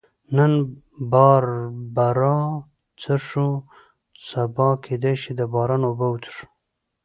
نن باربرا څښو، سبا کېدای شي د باران اوبه وڅښو.